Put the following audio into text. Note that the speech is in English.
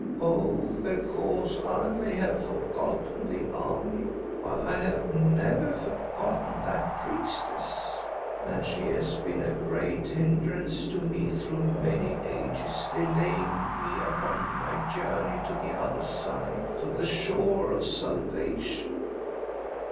Oh! because I may have forgotten the army, but I have never forgotten that priestess, and she has been a great hindrance to me through many ages, delaying me upon my journey to the Other Side, to the Shore of Salvation.